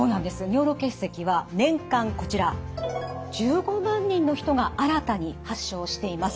尿路結石は年間こちら１５万人の人が新たに発症しています。